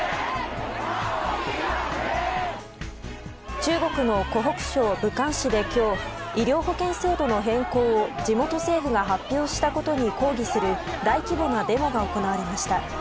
中国の湖北省武漢市で今日、医療保険制度の変更を地元政府が発表したことに抗議する大規模なデモが行われました。